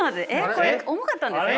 これ重かったんですか？